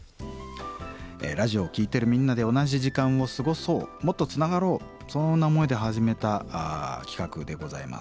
ラジオを聴いてるみんなで同じ時間を過ごそうもっとつながろうそんな思いで始めた企画でございます。